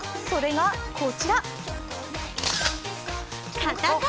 それがこちら。